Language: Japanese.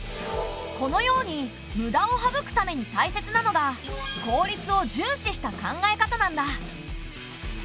このように無駄をはぶくためにたいせつなのが効率を重視した考え方なんだ。